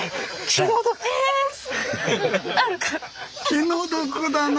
気の毒だね